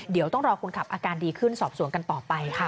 เดี๋ยวต้องรอคนขับอาการดีขึ้นสอบสวนกันต่อไปค่ะ